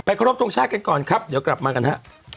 ครบทรงชาติกันก่อนครับเดี๋ยวกลับมากันฮะ